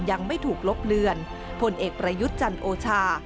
ยังไม่ถูกลบเลือนพลเอกประยุทธ์จันโอชา